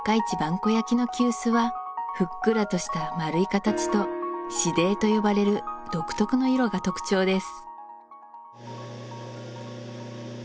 古焼の急須はふっくらとした丸い形と紫泥と呼ばれる独特の色が特徴です